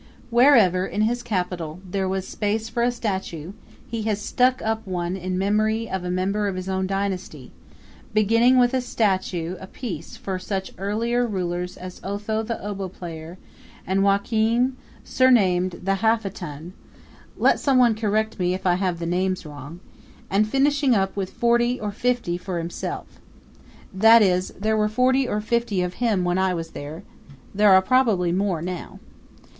Wherever, in his capital, there was space for a statue he has stuck up one in memory of a member of his own dynasty, beginning with a statue apiece for such earlier rulers as Otho the Oboe Player, and Joachim, surnamed the Half a Ton let some one correct me if I have the names wrong and finishing up with forty or fifty for himself. That is, there were forty or fifty of him when I was there. There are probably more now.